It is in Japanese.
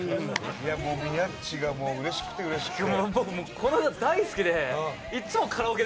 もう、宮っちがうれしくて、うれしくて。